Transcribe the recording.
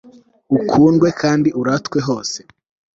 ukundwe kandi uratwe hose